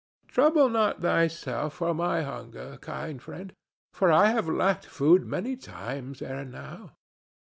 Trouble not thyself for my hunger, kind friend, for I have lacked food many times ere now."